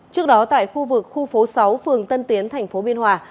trước đó tại khu vực khu phố sáu phường tân tiến tp biên hòa